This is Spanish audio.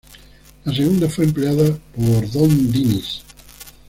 La segunda fue empleada por Don Dinis.